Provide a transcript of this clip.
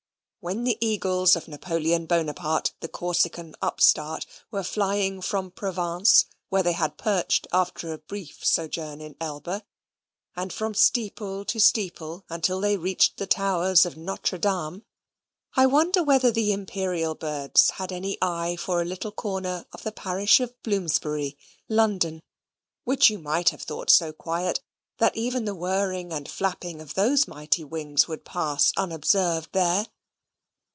When the eagles of Napoleon Bonaparte, the Corsican upstart, were flying from Provence, where they had perched after a brief sojourn in Elba, and from steeple to steeple until they reached the towers of Notre Dame, I wonder whether the Imperial birds had any eye for a little corner of the parish of Bloomsbury, London, which you might have thought so quiet, that even the whirring and flapping of those mighty wings would pass unobserved there?